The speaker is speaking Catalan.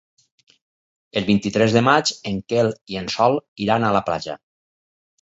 El vint-i-tres de maig en Quel i en Sol iran a la platja.